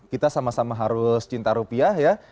kita sama sama harus cinta rupiah ya